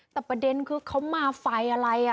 แต่ประเด็นคือเขามาไฟอะไร